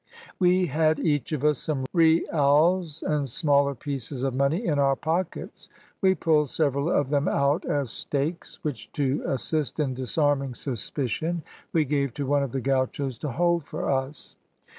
"We had each of us some reals and smaller pieces of money in our pockets. We pulled several of them out as stakes, which, to assist in disarming suspicion, we gave to one of the gauchos to hold for us.